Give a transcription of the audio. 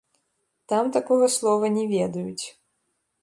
Там такога слова не ведаюць.